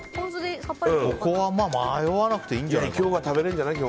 ここは迷わなくていいんじゃないかな。